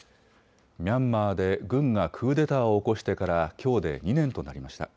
ミャンマーで軍がクーデターを起こしてからきょうで２年となりました。